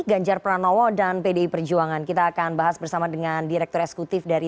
ganjar pranowo dan pdi perjuangan kita akan bahas bersama dengan direktur eksekutif dari